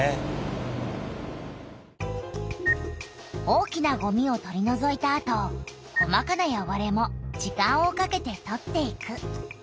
大きなごみを取りのぞいたあと細かなよごれも時間をかけて取っていく。